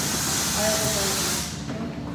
ایا زه باید ناک وخورم؟